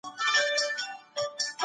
علم څنګه له تیاره پېړیو راووت؟